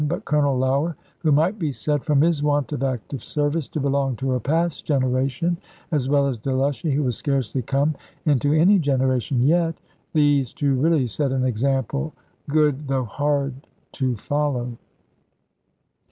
But Colonel Lougher (who might be said, from his want of active service, to belong to a past generation), as well as Delushy, who was scarcely come into any generation yet, these two really set an example, good, though hard, to follow.